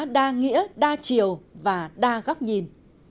đa nghĩa đa chiều và đa góc nhìn